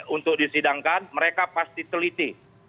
untuk disidangkan mereka pasti teliti